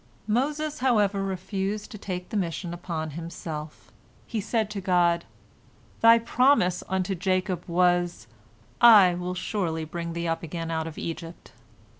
Moses, however, refused to take the mission upon himself. He said to God, "Thy promise unto Jacob was, 'I will surely bring thee up again out of Egypt.'